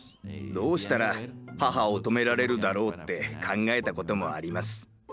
どうしたら母を止められるだろうって考えたこともあります。